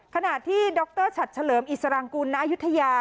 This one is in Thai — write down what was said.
ขณะที่ดรฉัดเฉลิมอิสรังกุลณอายุทยา